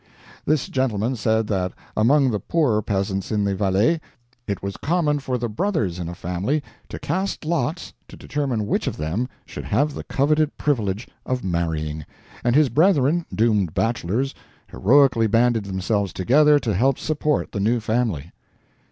This gentleman said that among the poorer peasants in the Valais, it was common for the brothers in a family to cast lots to determine which of them should have the coveted privilege of marrying, and his brethren doomed bachelors heroically banded themselves together to help support the new family.